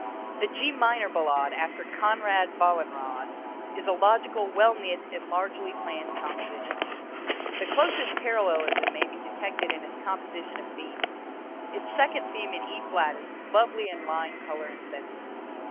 The G minor Ballade after "Konrad Wallenrod," is a logical, well knit and largely planned composition. The closest parallelism may be detected in its composition of themes. Its second theme in E flat is lovely in line, color and sentiment.